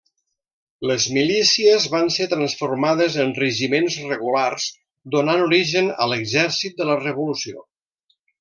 Les milícies van ser transformades en regiments regulars, donant origen a l'exèrcit de la revolució.